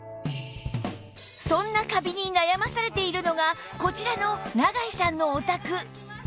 そんなカビに悩まされているのがこちらの永井さんのお宅